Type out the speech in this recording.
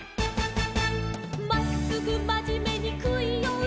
「まっすぐまじめにくいをうつ」